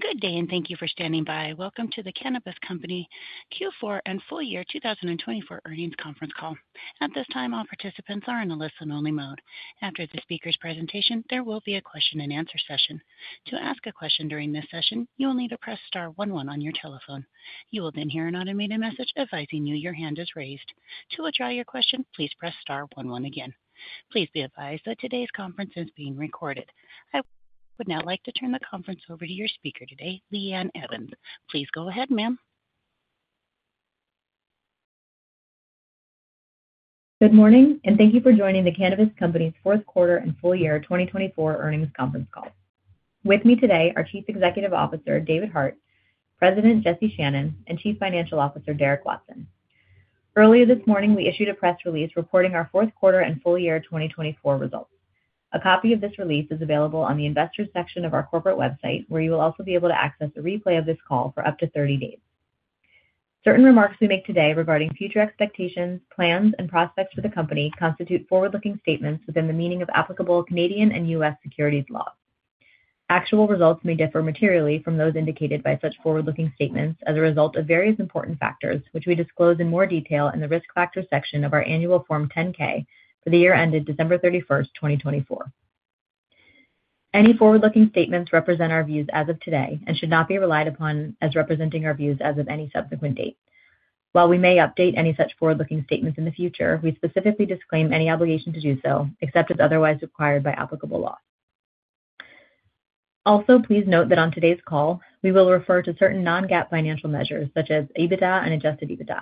Good day, and thank you for standing by. Welcome to the Cannabist Company Holdings' Q4 and full year 2024 earnings conference call. At this time, all participants are in a listen-only mode. After the speaker's presentation, there will be a question-and-answer session. To ask a question during this session, you will need to press star one one on your telephone. You will then hear an automated message advising you your hand is raised. To withdraw your question, please press star one one again. Please be advised that today's conference is being recorded. I would now like to turn the conference over to your speaker today, Lee Ann Evans. Please go ahead, ma'am. Good morning, and thank you for joining the Cannabist Company's fourth quarter and full year 2024 earnings conference call. With me today are Chief Executive Officer David Hart, President Jesse Shannon, and Chief Financial Officer Derek Watson. Earlier this morning, we issued a press release reporting our fourth quarter and full year 2024 results. A copy of this release is available on the investor section of our corporate website, where you will also be able to access a replay of this call for up to 30 days. Certain remarks we make today regarding future expectations, plans, and prospects for the company constitute forward-looking statements within the meaning of applicable Canadian and U.S. securities law. Actual results may differ materially from those indicated by such forward-looking statements as a result of various important factors, which we disclose in more detail in the risk factor section of our annual Form 10-K for the year ended December 31, 2024. Any forward-looking statements represent our views as of today and should not be relied upon as representing our views as of any subsequent date. While we may update any such forward-looking statements in the future, we specifically disclaim any obligation to do so except as otherwise required by applicable law. Also, please note that on today's call, we will refer to certain non-GAAP financial measures such as EBITDA and adjusted EBITDA.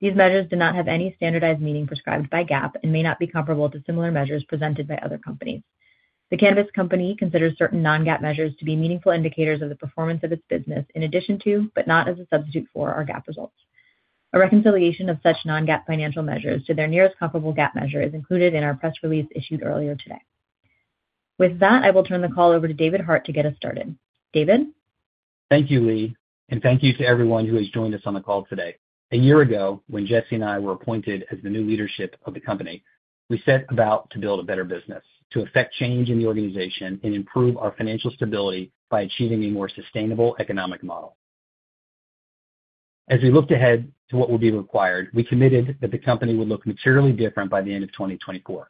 These measures do not have any standardized meaning prescribed by GAAP and may not be comparable to similar measures presented by other companies. The Cannabist Company considers certain non-GAAP measures to be meaningful indicators of the performance of its business in addition to, but not as a substitute for, our GAAP results. A reconciliation of such non-GAAP financial measures to their nearest comparable GAAP measure is included in our press release issued earlier today. With that, I will turn the call over to David Hart to get us started. David? Thank you, Lee, and thank you to everyone who has joined us on the call today. A year ago, when Jesse and I were appointed as the new leadership of the company, we set about to build a better business, to effect change in the organization, and improve our financial stability by achieving a more sustainable economic model. As we looked ahead to what would be required, we committed that the company would look materially different by the end of 2024.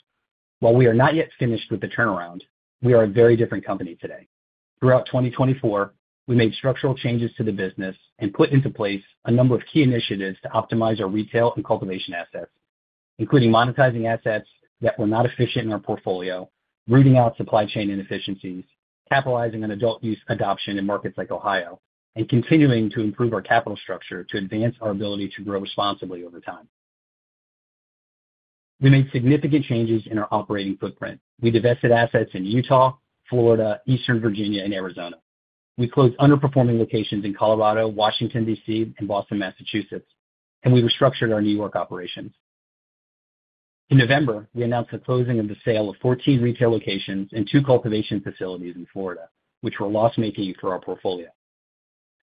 While we are not yet finished with the turnaround, we are a very different company today. Throughout 2024, we made structural changes to the business and put into place a number of key initiatives to optimize our retail and cultivation assets, including monetizing assets that were not efficient in our portfolio, rooting out supply chain inefficiencies, capitalizing on adult use adoption in markets like Ohio, and continuing to improve our capital structure to advance our ability to grow responsibly over time. We made significant changes in our operating footprint. We divested assets in Utah, Florida, Eastern Virginia, and Arizona. We closed underperforming locations in Colorado, Washington D.C., and Boston, Massachusetts, and we restructured our New York operations. In November, we announced the closing of the sale of 14 retail locations and two cultivation facilities in Florida, which were loss-making for our portfolio.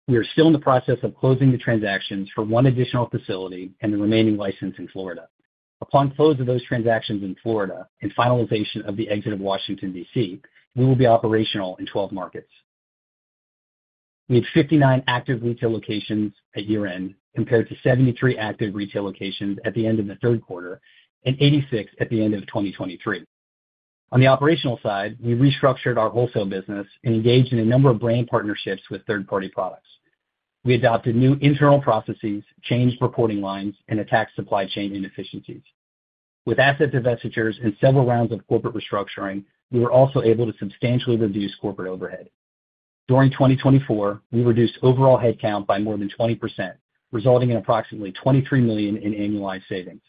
We are still in the process of closing the transactions for one additional facility and the remaining license in Florida. Upon close of those transactions in Florida and finalization of the exit of Washington, D.C., we will be operational in 12 markets. We had 59 active retail locations at year-end compared to 73 active retail locations at the end of the third quarter and 86 at the end of 2023. On the operational side, we restructured our wholesale business and engaged in a number of brand partnerships with third-party products. We adopted new internal processes, changed reporting lines, and attacked supply chain inefficiencies. With asset divestitures and several rounds of corporate restructuring, we were also able to substantially reduce corporate overhead. During 2024, we reduced overall headcount by more than 20%, resulting in approximately $23 million in annualized savings.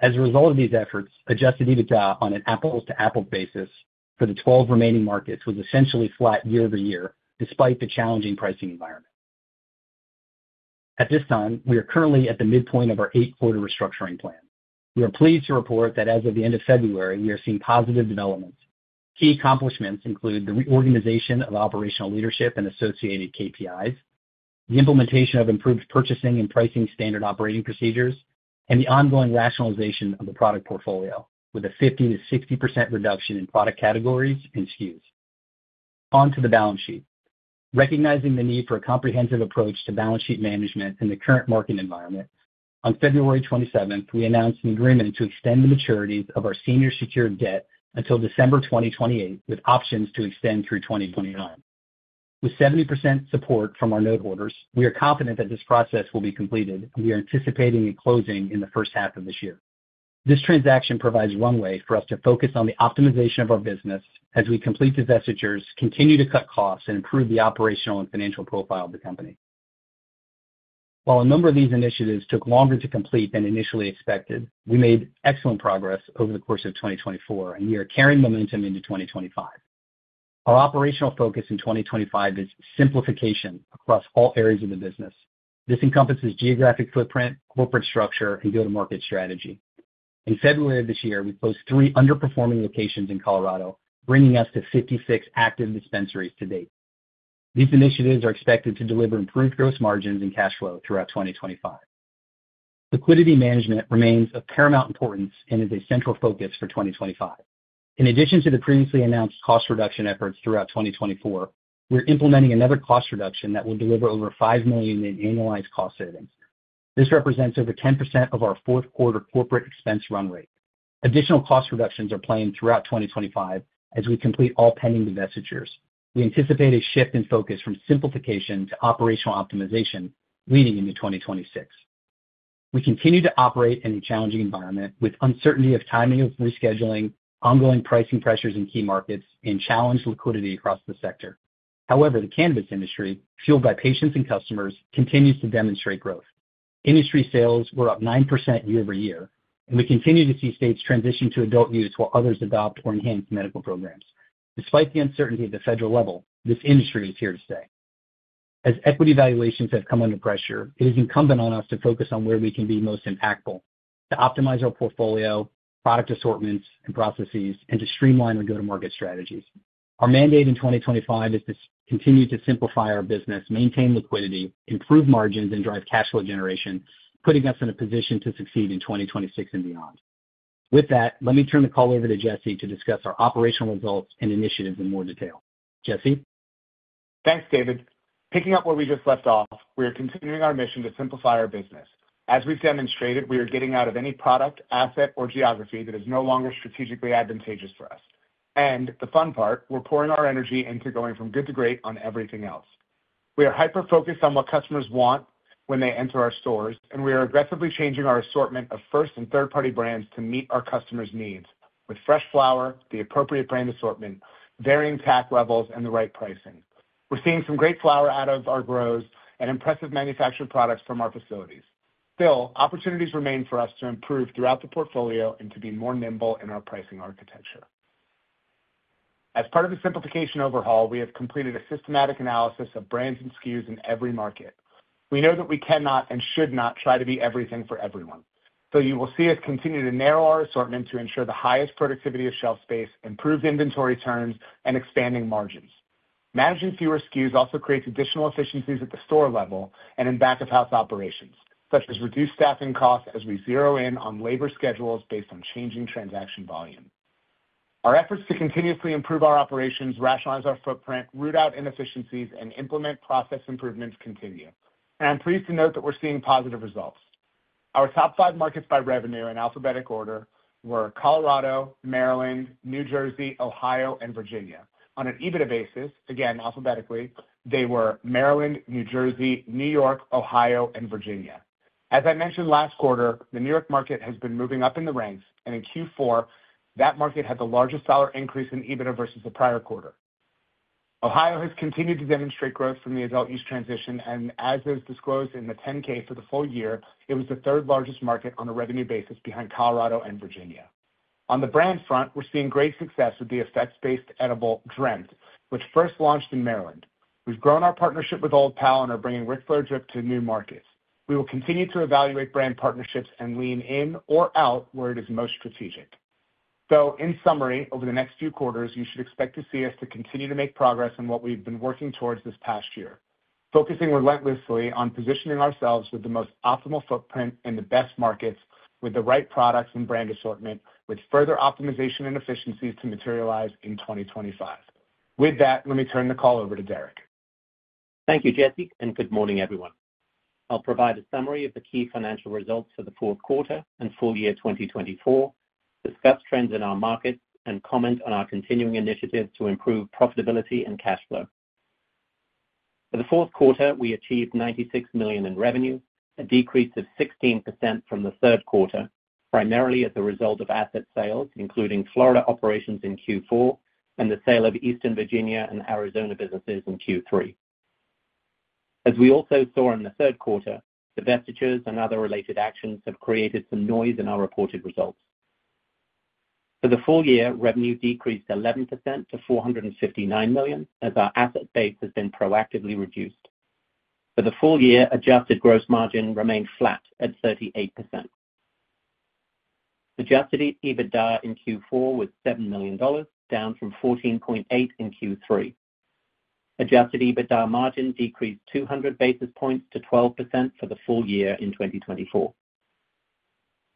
As a result of these efforts, adjusted EBITDA on an apples-to-apples basis for the 12 remaining markets was essentially flat year-over-year despite the challenging pricing environment. At this time, we are currently at the midpoint of our eight-quarter restructuring plan. We are pleased to report that as of the end of February, we are seeing positive developments. Key accomplishments include the reorganization of operational leadership and associated KPIs, the implementation of improved purchasing and pricing standard operating procedures, and the ongoing rationalization of the product portfolio with a 50-60% reduction in product categories and SKUs. On to the balance sheet. Recognizing the need for a comprehensive approach to balance sheet management in the current market environment, on February 27th, we announced an agreement to extend the maturities of our senior secured debt until December 2028, with options to extend through 2029. With 70% support from our note holders, we are confident that this process will be completed, and we are anticipating a closing in the first half of this year. This transaction provides runway for us to focus on the optimization of our business as we complete divestitures, continue to cut costs, and improve the operational and financial profile of the company. While a number of these initiatives took longer to complete than initially expected, we made excellent progress over the course of 2024, and we are carrying momentum into 2025. Our operational focus in 2025 is simplification across all areas of the business. This encompasses geographic footprint, corporate structure, and go-to-market strategy. In February of this year, we closed three underperforming locations in Colorado, bringing us to 56 active dispensaries to date. These initiatives are expected to deliver improved gross margins and cash flow throughout 2025. Liquidity management remains of paramount importance and is a central focus for 2025. In addition to the previously announced cost reduction efforts throughout 2024, we're implementing another cost reduction that will deliver over $5 million in annualized cost savings. This represents over 10% of our fourth-quarter corporate expense run rate. Additional cost reductions are planned throughout 2025 as we complete all pending divestitures. We anticipate a shift in focus from simplification to operational optimization leading into 2026. We continue to operate in a challenging environment with uncertainty of timing of rescheduling, ongoing pricing pressures in key markets, and challenged liquidity across the sector. However, the cannabis industry, fueled by patience and customers, continues to demonstrate growth. Industry sales were up 9% year-over-year, and we continue to see states transition to adult use while others adopt or enhance medical programs. Despite the uncertainty at the federal level, this industry is here to stay. As equity valuations have come under pressure, it is incumbent on us to focus on where we can be most impactful to optimize our portfolio, product assortments, and processes, and to streamline our go-to-market strategies. Our mandate in 2025 is to continue to simplify our business, maintain liquidity, improve margins, and drive cash flow generation, putting us in a position to succeed in 2026 and beyond. With that, let me turn the call over to Jesse to discuss our operational results and initiatives in more detail. Jesse? Thanks, David. Picking up where we just left off, we are continuing our mission to simplify our business. As we've demonstrated, we are getting out of any product, asset, or geography that is no longer strategically advantageous for us. The fun part, we're pouring our energy into going from good to great on everything else. We are hyper-focused on what customers want when they enter our stores, and we are aggressively changing our assortment of first and third-party brands to meet our customers' needs with fresh flower, the appropriate brand assortment, varying TAC levels, and the right pricing. We're seeing some great flower out of our grows and impressive manufactured products from our facilities. Still, opportunities remain for us to improve throughout the portfolio and to be more nimble in our pricing architecture. As part of the simplification overhaul, we have completed a systematic analysis of brands and SKUs in every market. We know that we cannot and should not try to be everything for everyone. You will see us continue to narrow our assortment to ensure the highest productivity of shelf space, improved inventory turns, and expanding margins. Managing fewer SKUs also creates additional efficiencies at the store level and in back-of-house operations, such as reduced staffing costs as we zero in on labor schedules based on changing transaction volume. Our efforts to continuously improve our operations, rationalize our footprint, root out inefficiencies, and implement process improvements continue. I am pleased to note that we are seeing positive results. Our top five markets by revenue in alphabetic order were Colorado, Maryland, New Jersey, Ohio, and Virginia. On an EBITDA basis, again, alphabetically, they were Maryland, New Jersey, New York, Ohio, and Virginia. As I mentioned last quarter, the New York market has been moving up in the ranks, and in Q4, that market had the largest dollar increase in EBITDA versus the prior quarter. Ohio has continued to demonstrate growth from the adult use transition, and as is disclosed in the 10-K for the full year, it was the third largest market on a revenue basis behind Colorado and Virginia. On the brand front, we're seeing great success with the effects-based edible Drent, which first launched in Maryland. We've grown our partnership with Old Pal and are bringing Ric Flair Drip to new markets. We will continue to evaluate brand partnerships and lean in or out where it is most strategic. In summary, over the next few quarters, you should expect to see us continue to make progress in what we've been working towards this past year, focusing relentlessly on positioning ourselves with the most optimal footprint in the best markets with the right products and brand assortment, with further optimization and efficiencies to materialize in 2025. With that, let me turn the call over to Derek. Thank you, Jesse, and good morning, everyone. I'll provide a summary of the key financial results for the fourth quarter and full year 2024, discuss trends in our markets, and comment on our continuing initiatives to improve profitability and cash flow. For the fourth quarter, we achieved $96 million in revenue, a decrease of 16% from the third quarter, primarily as a result of asset sales, including Florida operations in Q4 and the sale of eastern Virginia and Arizona businesses in Q3. As we also saw in the third quarter, divestitures and other related actions have created some noise in our reported results. For the full year, revenue decreased 11% to $459 million as our asset base has been proactively reduced. For the full year, adjusted gross margin remained flat at 38%. Adjusted EBITDA in Q4 was $7 million, down from $14.8 million in Q3. Adjusted EBITDA margin decreased 200 basis points to 12% for the full year in 2024.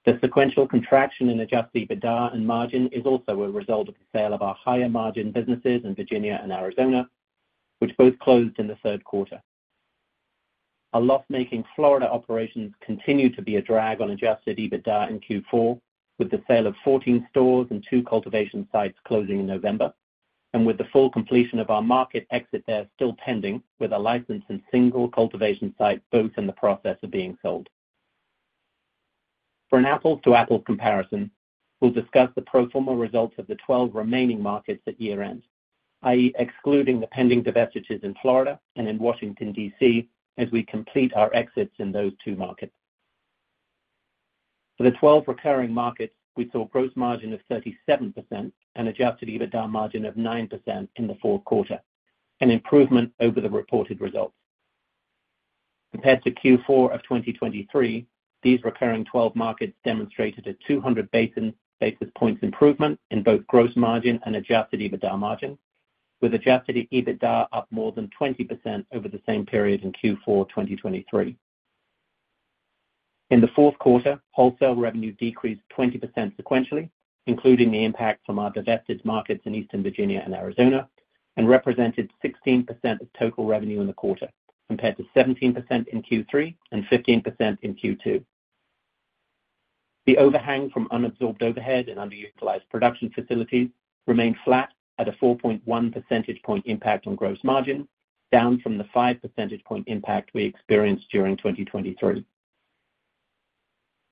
The sequential contraction in adjusted EBITDA and margin is also a result of the sale of our higher margin businesses in Virginia and Arizona, which both closed in the third quarter. Our loss-making Florida operations continue to be a drag on adjusted EBITDA in Q4, with the sale of 14 stores and two cultivation sites closing in November, and with the full completion of our market exit there still pending, with a license and single cultivation site both in the process of being sold. For an apples-to-apples comparison, we'll discuss the pro forma results of the 12 remaining markets at year-end, i.e., excluding the pending divestitures in Florida and in Washington, D.C., as we complete our exits in those two markets. For the 12 recurring markets, we saw gross margin of 37% and adjusted EBITDA margin of 9% in the fourth quarter, an improvement over the reported results. Compared to Q4 of 2023, these recurring 12 markets demonstrated a 200 basis points improvement in both gross margin and adjusted EBITDA margin, with adjusted EBITDA up more than 20% over the same period in Q4 2023. In the fourth quarter, wholesale revenue decreased 20% sequentially, including the impact from our divested markets in Eastern Virginia and Arizona, and represented 16% of total revenue in the quarter, compared to 17% in Q3 and 15% in Q2. The overhang from unabsorbed overhead and underutilized production facilities remained flat at a 4.1 percentage point impact on gross margin, down from the 5 percentage point impact we experienced during 2023.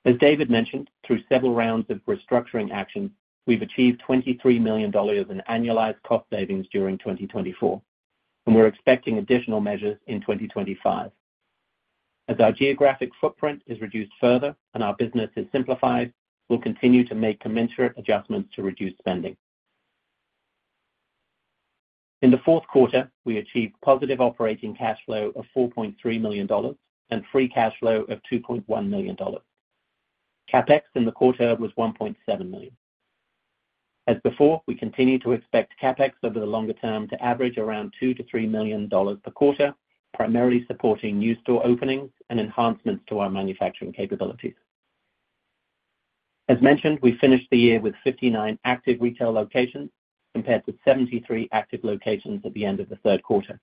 As David mentioned, through several rounds of restructuring actions, we've achieved $23 million in annualized cost savings during 2024, and we're expecting additional measures in 2025. As our geographic footprint is reduced further and our business is simplified, we'll continue to make commensurate adjustments to reduce spending. In the fourth quarter, we achieved positive operating cash flow of $4.3 million and free cash flow of $2.1 million. Capex in the quarter was $1.7 million. As before, we continue to expect Capex over the longer term to average around $2-$3 million per quarter, primarily supporting new store openings and enhancements to our manufacturing capabilities. As mentioned, we finished the year with 59 active retail locations compared to 73 active locations at the end of the third quarter.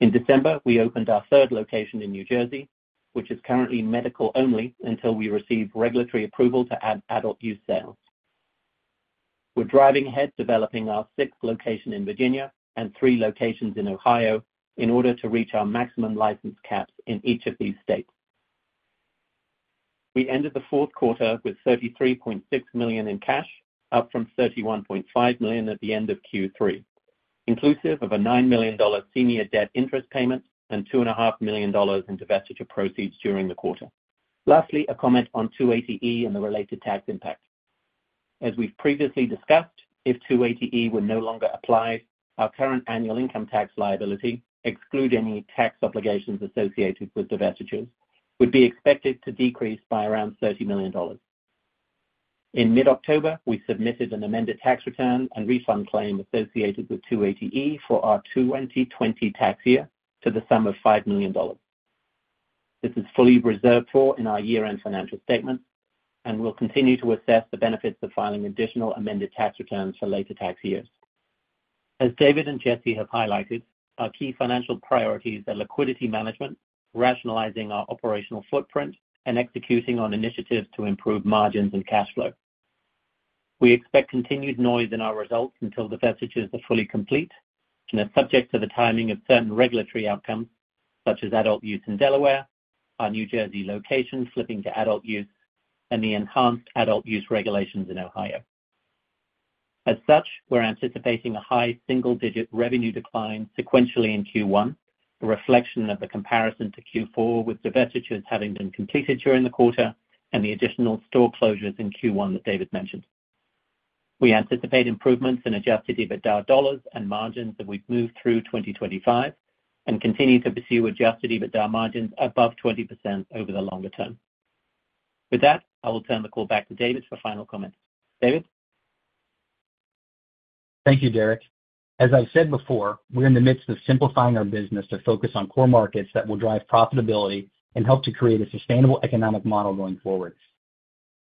In December, we opened our third location in New Jersey, which is currently medical only until we receive regulatory approval to add adult use sales. We're driving ahead, developing our sixth location in Virginia and three locations in Ohio in order to reach our maximum license caps in each of these states. We ended the fourth quarter with $33.6 million in cash, up from $31.5 million at the end of Q3, inclusive of a $9 million senior debt interest payment and $2.5 million in divestiture proceeds during the quarter. Lastly, a comment on 280E and the related tax impact. As we've previously discussed, if 280E were no longer applied, our current annual income tax liability, excluding any tax obligations associated with divestitures, would be expected to decrease by around $30 million. In mid-October, we submitted an amended tax return and refund claim associated with 280E for our 2020 tax year to the sum of $5 million. This is fully reserved for in our year-end financial statements, and we'll continue to assess the benefits of filing additional amended tax returns for later tax years. As David and Jesse have highlighted, our key financial priorities are liquidity management, rationalizing our operational footprint, and executing on initiatives to improve margins and cash flow. We expect continued noise in our results until divestitures are fully complete and are subject to the timing of certain regulatory outcomes, such as adult use in Delaware, our New Jersey location flipping to adult use, and the enhanced adult use regulations in Ohio. As such, we're anticipating a high single-digit revenue decline sequentially in Q1, a reflection of the comparison to Q4 with divestitures having been completed during the quarter and the additional store closures in Q1 that David mentioned. We anticipate improvements in adjusted EBITDA dollars and margins as we move through 2025 and continue to pursue adjusted EBITDA margins above 20% over the longer term. With that, I will turn the call back to David for final comments. David? Thank you, Derek. As I said before, we're in the midst of simplifying our business to focus on core markets that will drive profitability and help to create a sustainable economic model going forward.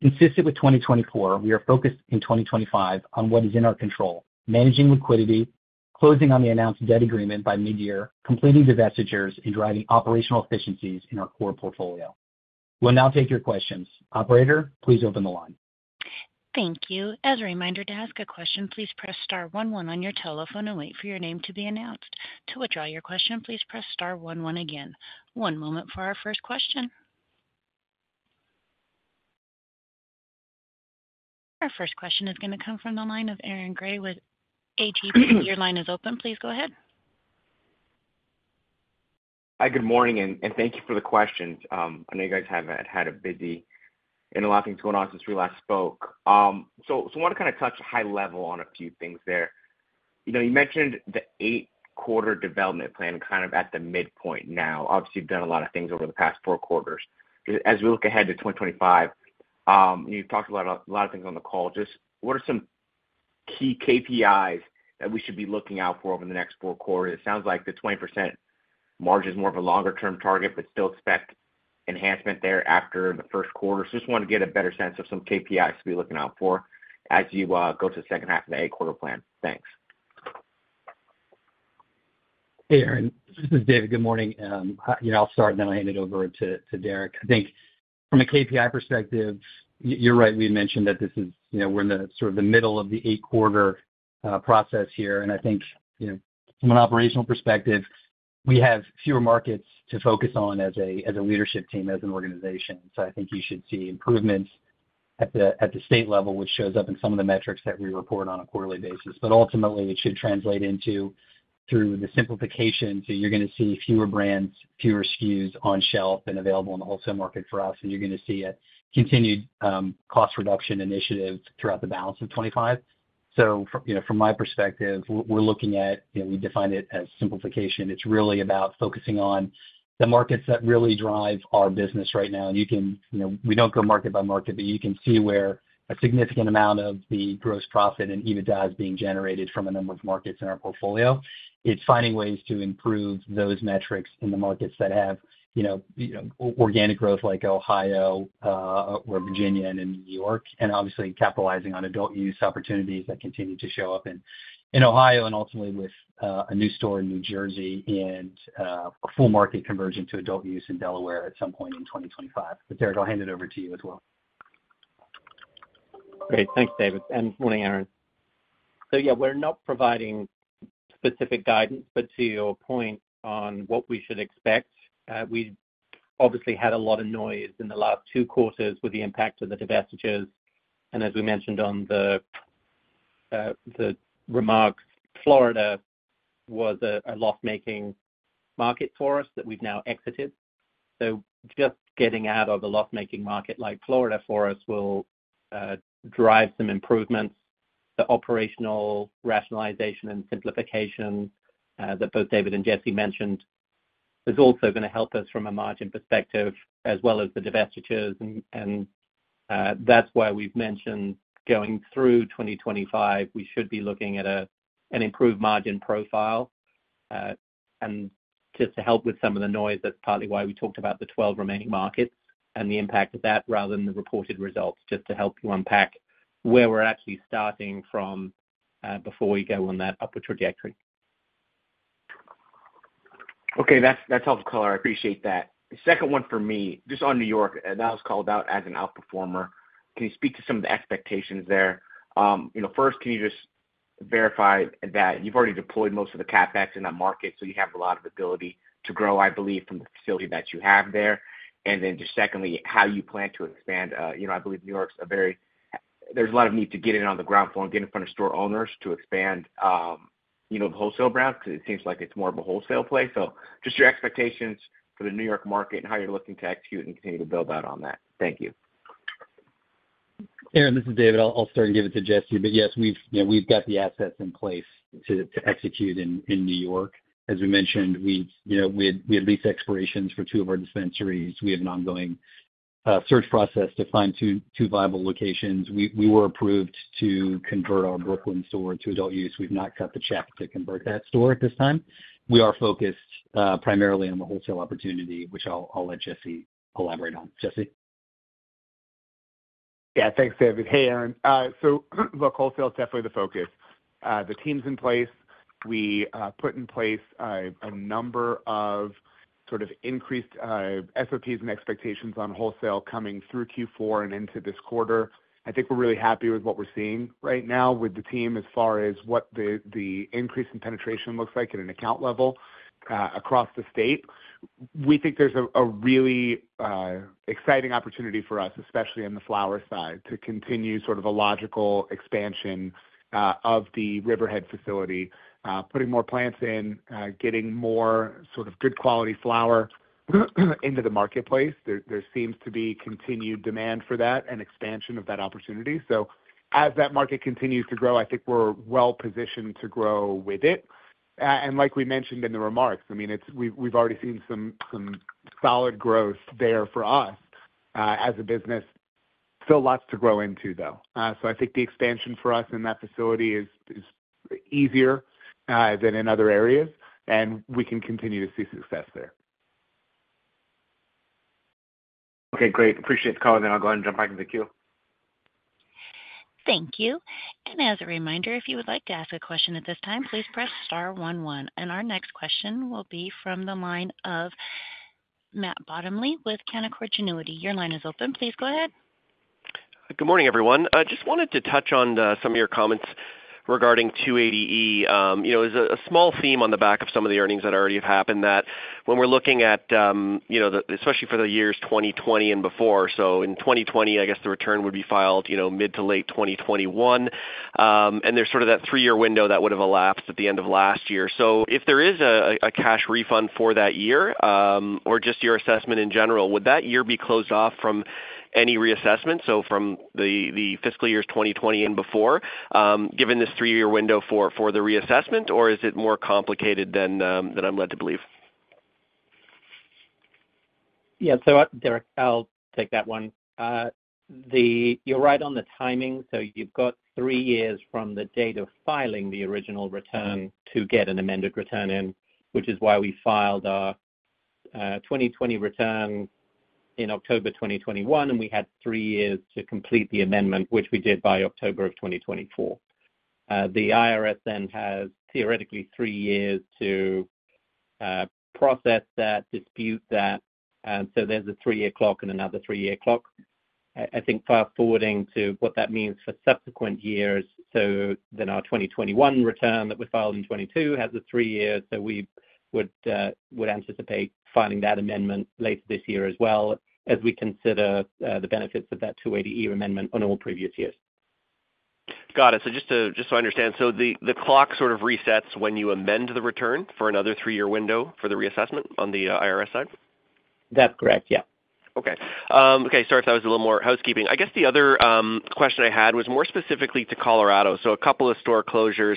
Consistent with 2024, we are focused in 2025 on what is in our control, managing liquidity, closing on the announced debt agreement by mid-year, completing divestitures, and driving operational efficiencies in our core portfolio. We'll now take your questions. Operator, please open the line. Thank you. As a reminder to ask a question, please press star one one on your telephone and wait for your name to be announced. To withdraw your question, please press star one one again. One moment for our first question. Our first question is going to come from the line of Aaron Grey with A.G.P. Your line is open. Please go ahead. Hi, good morning, and thank you for the question. I know you guys have had a busy and a lot of things going on since we last spoke. I want to kind of touch high level on a few things there. You mentioned the eight-quarter development plan kind of at the midpoint now. Obviously, you've done a lot of things over the past four quarters. As we look ahead to 2025, you've talked about a lot of things on the call. Just what are some key KPIs that we should be looking out for over the next four quarters? It sounds like the 20% margin is more of a longer-term target, but still expect enhancement there after the first quarter. I just want to get a better sense of some KPIs to be looking out for as you go to the second half of the eight-quarter plan. Thanks. Hey, Aaron. This is David. Good morning. I'll start, and then I'll hand it over to Derek. I think from a KPI perspective, you're right. We mentioned that this is we're in the sort of the middle of the eight-quarter process here. I think from an operational perspective, we have fewer markets to focus on as a leadership team, as an organization. I think you should see improvements at the state level, which shows up in some of the metrics that we report on a quarterly basis. Ultimately, it should translate into through the simplification. You're going to see fewer brands, fewer SKUs on shelf and available in the wholesale market for us. You're going to see a continued cost reduction initiative throughout the balance of 2025. From my perspective, we're looking at we define it as simplification. It's really about focusing on the markets that really drive our business right now. We don't go market by market, but you can see where a significant amount of the gross profit and EBITDA is being generated from a number of markets in our portfolio. It's finding ways to improve those metrics in the markets that have organic growth like Ohio or Virginia and in New York, and obviously capitalizing on adult use opportunities that continue to show up in Ohio and ultimately with a new store in New Jersey and a full market converging to adult use in Delaware at some point in 2025. Derek, I'll hand it over to you as well. Great. Thanks, David. Good morning, Aaron. Yeah, we're not providing specific guidance, but to your point on what we should expect, we obviously had a lot of noise in the last two quarters with the impact of the divestitures. As we mentioned on the remarks, Florida was a loss-making market for us that we've now exited. Just getting out of a loss-making market like Florida for us will drive some improvements. The operational rationalization and simplification that both David and Jesse mentioned is also going to help us from a margin perspective as well as the divestitures. That's why we've mentioned going through 2025, we should be looking at an improved margin profile just to help with some of the noise. That's partly why we talked about the 12 remaining markets and the impact of that rather than the reported results, just to help you unpack where we're actually starting from before we go on that upward trajectory. Okay. That's helpful, Color. I appreciate that. The second one for me, just on New York, and that was called out as an outperformer. Can you speak to some of the expectations there? First, can you just verify that you've already deployed most of the CapEx in that market, so you have a lot of ability to grow, I believe, from the facility that you have there? Then just secondly, how you plan to expand. I believe New York's a very there's a lot of need to get in on the ground floor and get in front of store owners to expand the wholesale brand because it seems like it's more of a wholesale play. Just your expectations for the New York market and how you're looking to execute and continue to build out on that. Thank you. Aaron, this is David. I'll start and give it to Jesse. Yes, we've got the assets in place to execute in New York. As we mentioned, we had lease expirations for two of our dispensaries. We have an ongoing search process to find two viable locations. We were approved to convert our Brooklyn store to adult use. We've not cut the check to convert that store at this time. We are focused primarily on the wholesale opportunity, which I'll let Jesse elaborate on. Jesse? Yeah. Thanks, David. Hey, Aaron. Look, wholesale is definitely the focus. The team's in place. We put in place a number of sort of increased SOPs and expectations on wholesale coming through Q4 and into this quarter. I think we're really happy with what we're seeing right now with the team as far as what the increase in penetration looks like at an account level across the state. We think there's a really exciting opportunity for us, especially on the flower side, to continue sort of a logical expansion of the Riverhead facility, putting more plants in, getting more sort of good quality flower into the marketplace. There seems to be continued demand for that and expansion of that opportunity. As that market continues to grow, I think we're well positioned to grow with it. Like we mentioned in the remarks, I mean, we've already seen some solid growth there for us as a business. Still lots to grow into, though. I think the expansion for us in that facility is easier than in other areas, and we can continue to see success there. Great. Appreciate the call. I'll go ahead and jump back into the queue. Thank you. As a reminder, if you would like to ask a question at this time, please press star one one. Our next question will be from the line of Matt Bottomley with Canaccord Genuity. Your line is open. Please go ahead. Good morning, everyone. Just wanted to touch on some of your comments regarding 280E. There's a small theme on the back of some of the earnings that already have happened that when we're looking at, especially for the years 2020 and before. In 2020, I guess the return would be filed mid to late 2021. There's sort of that three-year window that would have elapsed at the end of last year. If there is a cash refund for that year or just your assessment in general, would that year be closed off from any reassessment, from the fiscal years 2020 and before, given this three-year window for the reassessment, or is it more complicated than I'm led to believe? Yeah. Derek, I'll take that one. You're right on the timing. You've got three years from the date of filing the original return to get an amended return in, which is why we filed our 2020 return in October 2021, and we had three years to complete the amendment, which we did by October of 2024. The IRS then has theoretically three years to process that, dispute that. There's a three-year clock and another three-year clock. I think fast-forwarding to what that means for subsequent years, our 2021 return that we filed in 2022 has a three-year. We would anticipate filing that amendment later this year as well as we consider the benefits of that 280E amendment on all previous years. Got it. Just so I understand, the clock sort of resets when you amend the return for another three-year window for the reassessment on the IRS side? That's correct. Yeah. Okay. Sorry if that was a little more housekeeping. I guess the other question I had was more specifically to Colorado. A couple of store closures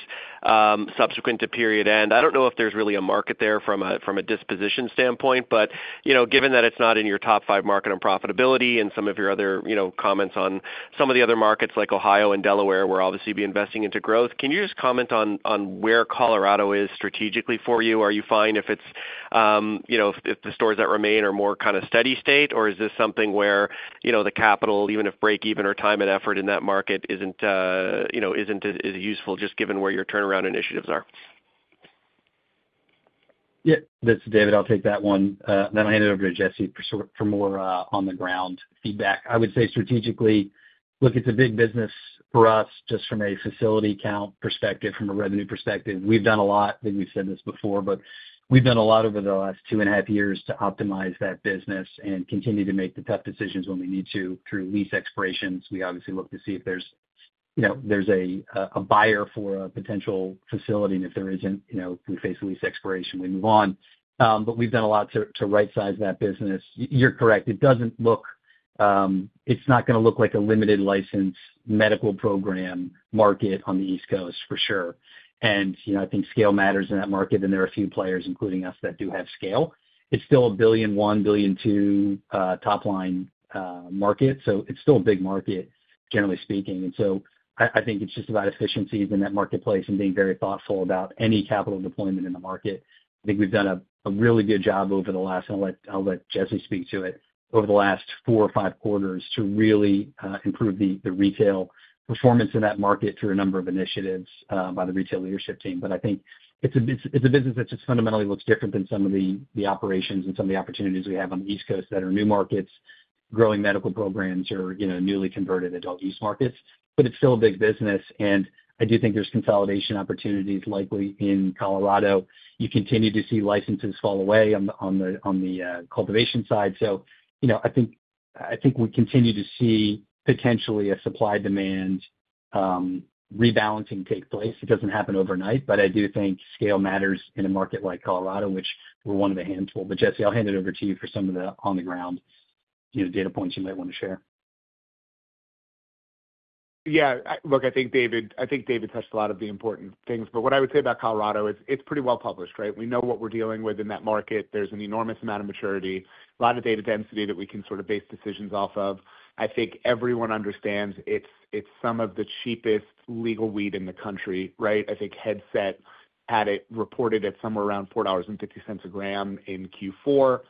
subsequent to period end. I do not know if there is really a market there from a disposition standpoint, but given that it is not in your top five market on profitability and some of your other comments on some of the other markets like Ohio and Delaware, we are obviously be investing into growth. Can you just comment on where Colorado is strategically for you? Are you fine if it is if the stores that remain are more kind of steady state, or is this something where the capital, even if break-even or time and effort in that market is not as useful just given where your turnaround initiatives are? Yeah. This is David. I'll take that one. Then I'll hand it over to Jesse for more on-the-ground feedback. I would say strategically, look, it's a big business for us just from a facility account perspective, from a revenue perspective. We've done a lot. I think we've said this before, but we've done a lot over the last two and a half years to optimize that business and continue to make the tough decisions when we need to through lease expirations. We obviously look to see if there's a buyer for a potential facility, and if there isn't, we face a lease expiration, we move on. We've done a lot to right-size that business. You're correct. It doesn't look, it's not going to look like a limited-license medical program market on the East Coast, for sure. I think scale matters in that market, and there are a few players, including us, that do have scale. It's still a $1.1 billion-$1.2 billion top-line market, so it's still a big market, generally speaking. I think it's just about efficiencies in that marketplace and being very thoughtful about any capital deployment in the market. I think we've done a really good job over the last four or five quarters to really improve the retail performance in that market through a number of initiatives by the retail leadership team. I think it's a business that just fundamentally looks different than some of the operations and some of the opportunities we have on the East Coast that are new markets, growing medical programs, or newly converted adult use markets. It is still a big business, and I do think there are consolidation opportunities likely in Colorado. You continue to see licenses fall away on the cultivation side. I think we continue to see potentially a supply-demand rebalancing take place. It does not happen overnight, but I do think scale matters in a market like Colorado, which we are one of a handful. Jesse, I will hand it over to you for some of the on-the-ground data points you might want to share. Yeah. Look, I think David touched a lot of the important things. What I would say about Colorado is it's pretty well published, right? We know what we're dealing with in that market. There's an enormous amount of maturity, a lot of data density that we can sort of base decisions off of. I think everyone understands it's some of the cheapest legal weed in the country, right? I think Headset had it reported at somewhere around $4.50 a gram in Q4.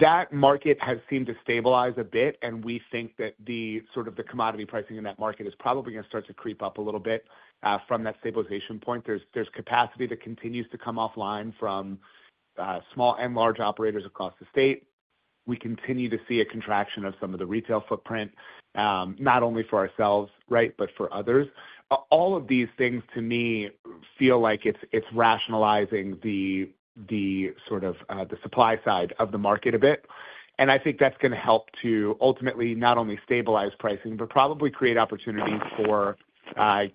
That market has seemed to stabilize a bit, and we think that sort of the commodity pricing in that market is probably going to start to creep up a little bit from that stabilization point. There's capacity that continues to come offline from small and large operators across the state. We continue to see a contraction of some of the retail footprint, not only for ourselves, right, but for others. All of these things, to me, feel like it's rationalizing the sort of the supply side of the market a bit. I think that's going to help to ultimately not only stabilize pricing, but probably create opportunities for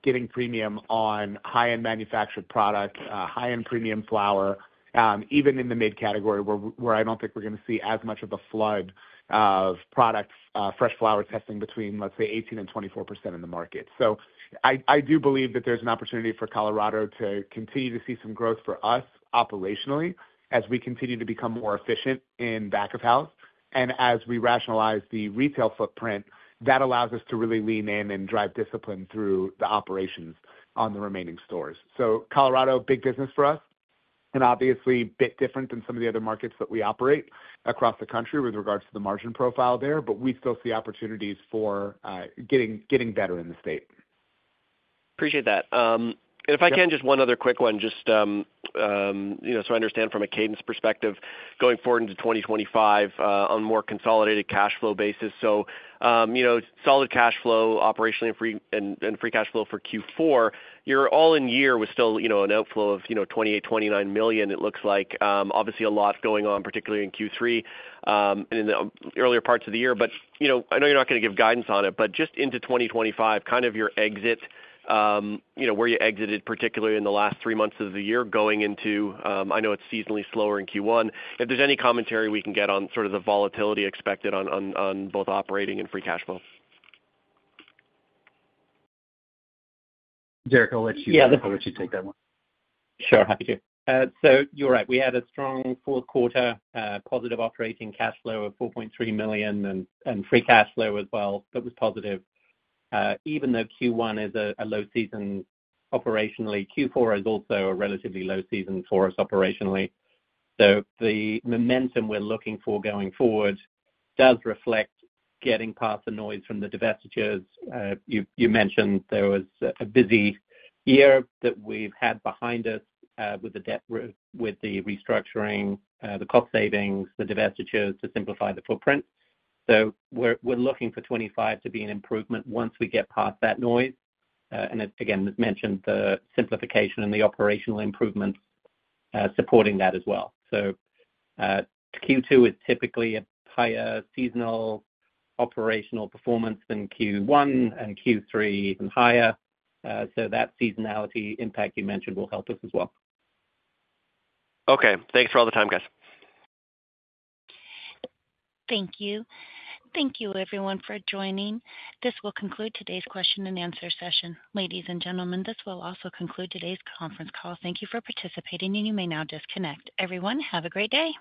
getting premium on high-end manufactured product, high-end premium flower, even in the mid-category where I don't think we're going to see as much of a flood of products, fresh flower testing between, let's say, 18%-24% in the market. I do believe that there's an opportunity for Colorado to continue to see some growth for us operationally as we continue to become more efficient in back-of-house. As we rationalize the retail footprint, that allows us to really lean in and drive discipline through the operations on the remaining stores. Colorado, big business for us, and obviously a bit different than some of the other markets that we operate across the country with regards to the margin profile there, but we still see opportunities for getting better in the state. Appreciate that. If I can, just one other quick one, just so I understand from a cadence perspective going forward into 2025 on a more consolidated cash flow basis. Solid cash flow operationally and free cash flow for Q4. Your all-in year was still an outflow of $28 million-$29 million, it looks like. Obviously, a lot going on, particularly in Q3 and in the earlier parts of the year. I know you're not going to give guidance on it, but just into 2025, kind of your exit, where you exited particularly in the last three months of the year going into—I know it's seasonally slower in Q1. If there's any commentary we can get on sort of the volatility expected on both operating and free cash flow. Derek, I'll let you take that one. Sure. Happy to. You're right. We had a strong fourth quarter, positive operating cash flow of $4.3 million and free cash flow as well that was positive. Even though Q1 is a low season operationally, Q4 is also a relatively low season for us operationally. The momentum we're looking for going forward does reflect getting past the noise from the divestitures. You mentioned there was a busy year that we've had behind us with the restructuring, the cost savings, the divestitures to simplify the footprint. We're looking for 2025 to be an improvement once we get past that noise. Again, as mentioned, the simplification and the operational improvements supporting that as well. Q2 is typically a higher seasonal operational performance than Q1 and Q3 and higher. That seasonality impact you mentioned will help us as well. Okay. Thanks for all the time, guys. Thank you. Thank you, everyone, for joining. This will conclude today's question and answer session. Ladies and gentlemen, this will also conclude today's conference call. Thank you for participating, and you may now disconnect. Everyone, have a great day.